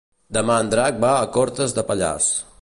Demà en Drac va a Cortes de Pallars.